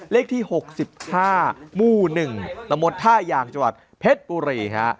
เลขที่๖๕หมู่๑ตะมดท่ายางจังหวัดเพชรบุรีฮะ